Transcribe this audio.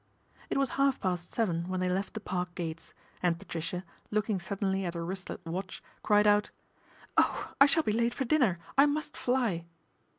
It was half past seven when they left the Park gates, and Patricia, looking suddenly at her wristlet watch, cried out, " Oh ! I shall be late for dinner, I must fly